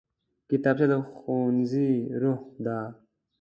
کتابچه د ښوونځي روح ده